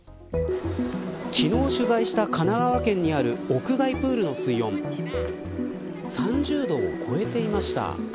昨日取材した、神奈川県にある屋外プールの水温３０度を超えていました。